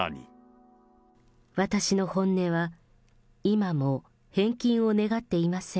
私の本音は、今も返金を願っていません。